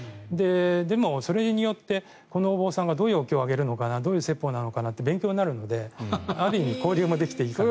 でも、それによってこのお坊さんはどういうお経を上げるのかなどういう説法なのかなって勉強になるのである意味、交流もできていいかなと。